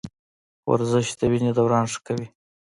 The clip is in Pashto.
ورزش د وینې دوران ښه کوي.